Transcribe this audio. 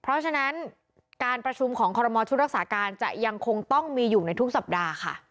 เพราะฉะนั้นการประชุมของคอรมอชุดรักษาการจะยังคงต้องมีอยู่ในทุกสัปดาห์ค่ะ